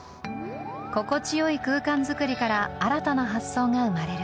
心地よい空間づくりから新たな発想が生まれる